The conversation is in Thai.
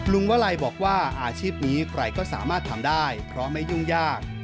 วลัยบอกว่าอาชีพนี้ใครก็สามารถทำได้เพราะไม่ยุ่งยาก